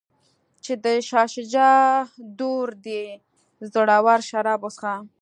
چې د شاه شجاع دور دی زړور شراب وڅښه.